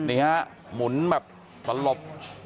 ะหมุนแบบตระลบ